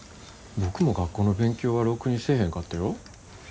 僕も学校の勉強はろくにせえへんかったよ。